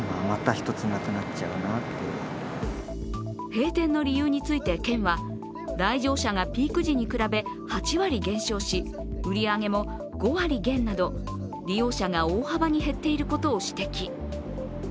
閉店の理由について県は、来場者がピーク時に比べ８割減少し、売り上げも５割減など、利用者が大幅に減っていることを指摘。